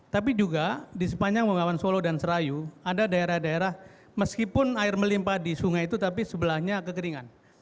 tapi juga di sepanjang bengawan solo dan serayu ada daerah daerah meskipun air melimpah di sungai itu tapi sebelahnya kekeringan